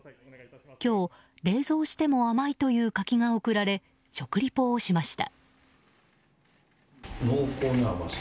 今日、冷蔵しても甘いという柿が贈られ食リポをしました。